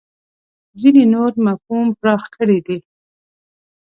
ځینې نور مفهوم پراخ کړی دی.